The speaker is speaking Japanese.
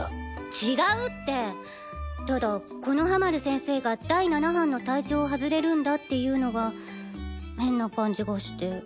違うってただ木ノ葉丸先生が第七班の隊長を外れるんだっていうのが変な感じがして。